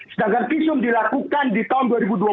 sedangkan visum dilakukan di tahun dua ribu dua puluh